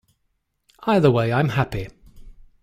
Either way, I’m happy.